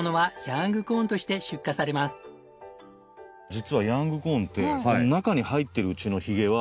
実はヤングコーンって。